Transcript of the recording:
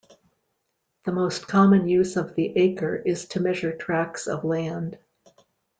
The most common use of the acre is to measure tracts of land.